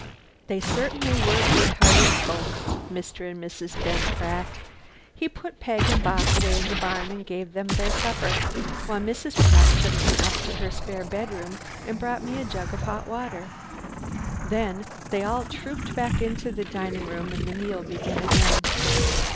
They were certainly good hearted folk, Mr. and Mrs. Ben Pratt. He put Peg and Bock away in the barn and gave them their supper, while Mrs. Pratt took me up to her spare bedroom and brought me a jug of hot water. Then they all trooped back into the dining room and the meal began again.